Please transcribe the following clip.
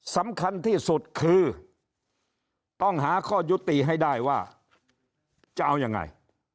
สำคัญที่สุดคือต้องหาข้อยุติให้ได้ว่าจะเอายังไง